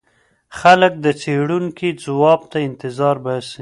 خلګ د څېړونکي ځواب ته انتظار باسي.